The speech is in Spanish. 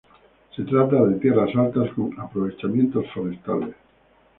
Se trata de tierras altas, con aprovechamientos forestales.